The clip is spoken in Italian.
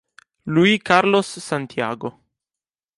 Luis Carlos Santiago